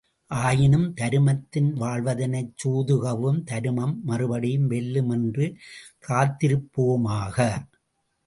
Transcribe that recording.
ஆயினும், தருமத்தின் வாழ்வதனைச் சூது கவ்வும் தருமம் மறுபடியும் வெல்லும் என்று காத்திருப்போமாக!